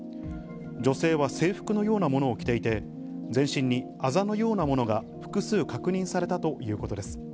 女性は制服のようなものを着ていて、全身にあざのようなものが複数確認されたということです。